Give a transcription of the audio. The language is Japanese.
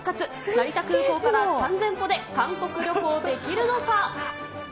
成田空港から３０００歩で韓国旅行できるのか。